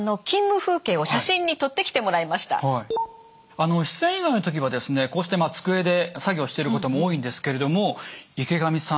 あの出演以外の時はですねこうして机で作業してることも多いんですけれども池上さん